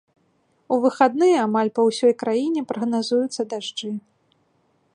У выхадныя амаль па ўсёй краіне прагназуюцца дажджы.